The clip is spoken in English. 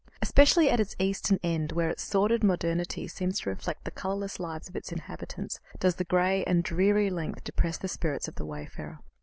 Especially at its eastern end, where its sordid modernity seems to reflect the colourless lives of its inhabitants, does its grey and dreary length depress the spirits of the wayfarer.